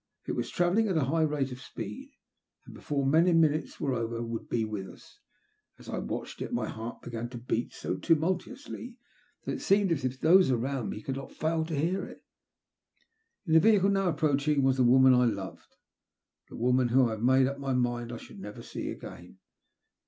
It was travelling at a high rate of speed, and before many minutes were over would be with us. As I watched it my heart began to beat so tumultuously that it seemed as if those around me could not fail to hear it. In the vehicle now approaching was the woman I loved, the woman whom I had made up my mind I should never see again.